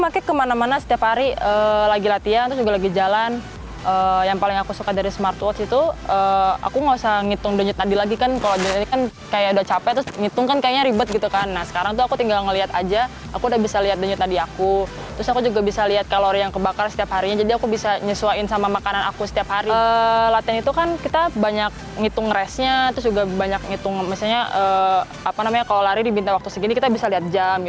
karena kalau lari di bintang waktu segini kita bisa lihat jam